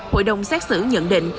hội đồng xét xử nhận định